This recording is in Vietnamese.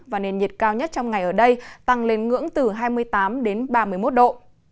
và nền nhiệt cao nhất trong ngày ở đây tăng lên ngưỡng từ hai mươi tám đến ba mươi một độ